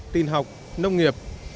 tình học nông nghiệp